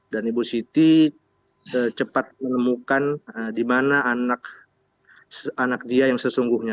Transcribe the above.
dan ibu siti cepat menemukan di mana anak dia yang sesungguhnya